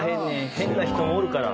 変な人もおるから。